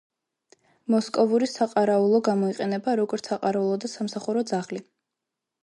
მოსკოვური საყარაულო გამოიყენება როგორც საყარაულო და სასამსახურო ძაღლი.